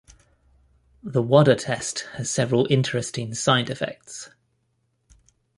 The Wada test has several interesting side-effects.